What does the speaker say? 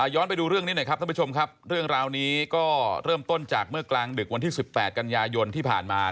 ไปดูเรื่องนี้หน่อยครับท่านผู้ชมครับเรื่องราวนี้ก็เริ่มต้นจากเมื่อกลางดึกวันที่๑๘กันยายนที่ผ่านมา